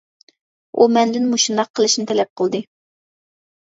ئۇ مەندىن مۇشۇنداق قىلىشنى تەلەپ قىلدى.